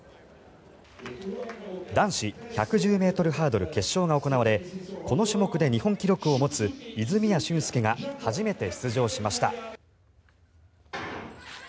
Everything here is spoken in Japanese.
男子１１０ｍハードル決勝が行われこの種目で日本記録を持つ泉谷駿介が初めて出場しました。